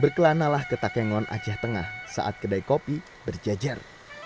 berkelanalah ke takengon aceh tengah saat kedai kopi berjajar